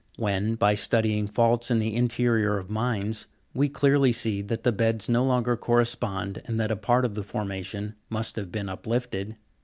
When, by studying faults in the interior of mines, we clearly see that the beds no longer correspond, and that a part of the formation must have been uplifted (Jig.